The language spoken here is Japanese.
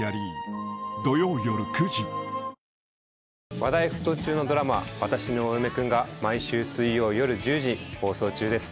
話題沸騰中のドラマ『わたしのお嫁くん』が毎週水曜夜１０時放送中です。